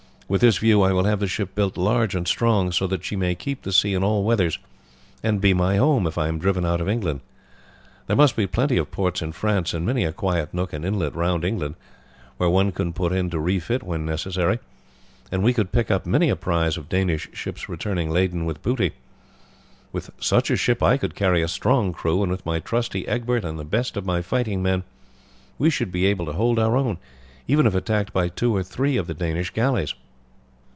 With this view I will have the ship built large and strong, so that she may keep the sea in all weathers and be my home if I am driven out of England. There must be plenty of ports in France, and many a quiet nook and inlet round England, where one can put in to refit when necessary, and we could pick up many a prize of Danish ships returning laden with booty. With such a ship I could carry a strong crew, and with my trusty Egbert and the best of my fighting men we should be able to hold our own, even if attacked by two or three of the Danish galleys."